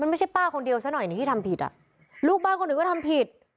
ไม่ใช่ป้าคนเดียวซะหน่อยนี่ที่ทำผิดอ่ะลูกบ้านคนอื่นก็ทำผิด